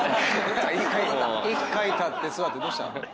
１回立って座ってどうした？